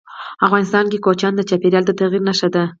افغانستان کې کوچیان د چاپېریال د تغیر نښه ده.